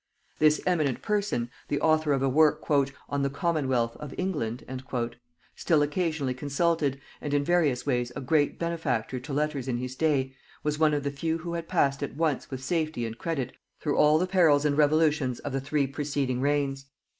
This eminent person, the author of a work "on the Commonwealth of England," still occasionally consulted, and in various ways a great benefactor to letters in his day, was one of the few who had passed at once with safety and credit through all the perils and revolutions of the three preceding reigns.